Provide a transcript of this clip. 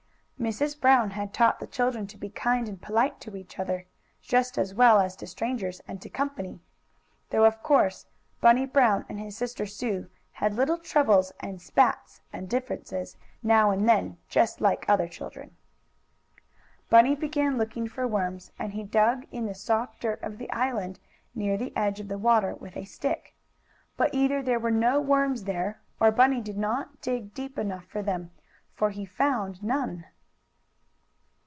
Mrs. Brown had taught the children to be kind and polite to each other, just as well as to strangers and to "company." Though of course Bunny Brown and his sister Sue had little troubles and "spats" and differences, now and then, just like other children. Bunny began looking for worms, and he dug in the soft dirt of the island, near the edge of the water, with a stick. But either there were no worms there, or Bunny did not dig deep enough for them, for he found none.